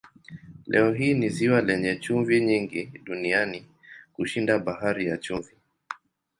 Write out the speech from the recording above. Leo hii ni ziwa lenye chumvi nyingi duniani kushinda Bahari ya Chumvi.